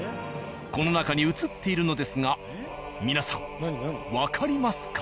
この中に映っているのですが皆さんわかりますか？